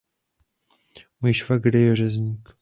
Můj švagr je řezník.